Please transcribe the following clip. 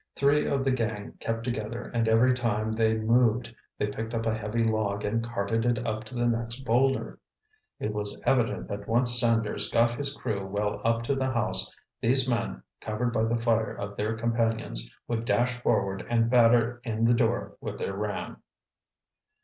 Three of the gang kept together and every time they moved, they picked up a heavy log and carted it up to the next boulder. It was evident that once Sanders got his crew well up to the house, these men, covered by the fire of their companions, would dash forward and batter in the door with their ram.